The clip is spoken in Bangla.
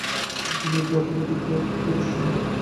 শুনিয়া প্রতাপাদিত্য অত্যন্ত রুষ্ট হইলেন।